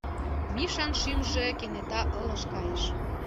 Мишан шӱмжӧ кенета ылыж кайыш.